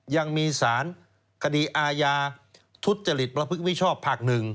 ยังมีศาลคดีอาญาทุศจริตประพฤติวิชอบภาคหนึ่ง